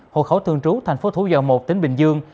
hộ khẩu thường trú thành phố thủ dầu một tỉnh bình dương